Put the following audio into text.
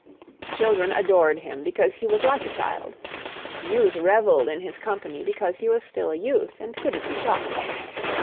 Children adored him because he was like a child; youth revelled in his company because he was still a youth, and couldn't be shocked.